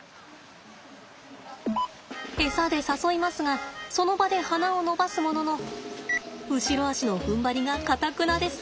エサで誘いますがその場で鼻を伸ばすものの後ろ肢のふんばりがかたくなです。